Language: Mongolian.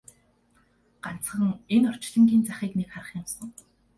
Ганцхан энэ орчлонгийн захыг нэг харах юмсан!